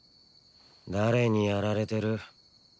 誰にやられてる？